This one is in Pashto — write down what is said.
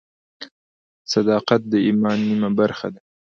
صداقت د ایمان نیمه برخه ده.